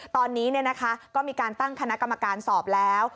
ตอนนี้ก็มีการตั้งคณะกรรมการสอบแล้ว